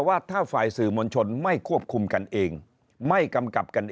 ว่าถ้าฝ่ายสื่อมวลชนไม่ควบคุมกันเองไม่กำกับกัน